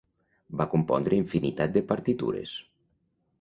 Va compondre infinitat de partitures.